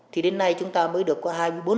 thì đến nay chúng ta mới được có hai mươi bốn